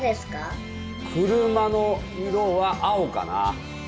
車の色は青かな。